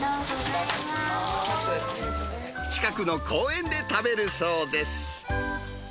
近くの公園で食べるそうです。